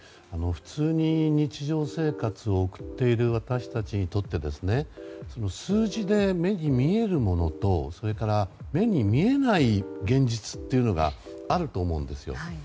普通に日常生活を送っている私たちにとって数字で目に見えるものと目に見えない現実というのがあると思うんですよ。